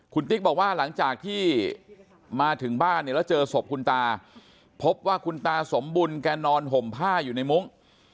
คุณติ๊กบอกว่าหลังจากที่มาถึงบ้านเนี่ยแล้วเจอศพคุณตาพบว่าคุณตาสมบุญแกนอนห่มผ้าอยู่ในมุ้ง